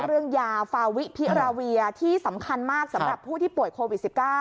เรื่องยาฟาวิพิราเวียที่สำคัญมากสำหรับผู้ที่ป่วยโควิด๑๙